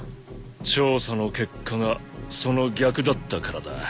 調査の結果がその逆だったからだ。